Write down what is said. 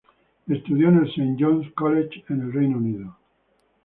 Estudió en el Saint John's College, en el Reino Unido.